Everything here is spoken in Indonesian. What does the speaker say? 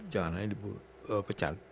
jangan hanya di pecat